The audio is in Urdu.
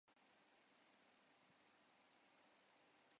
اچھا یہ بتاؤ کے آج کوئی کام ہے کرنے والا؟